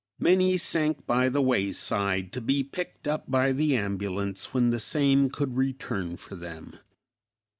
Many sank by the wayside, to be picked up by the ambulance when the same could return for them.